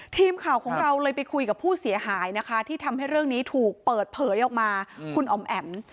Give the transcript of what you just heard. ทีมข่าวของเราเลยไปคุยกับผู้เสียหายนะคะที่ทำให้เรื่องนี้ถูกเปิดเผยออกมาคุณอ๋อมแอ๋ม